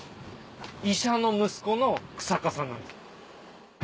医者の息子の久坂さんなんです。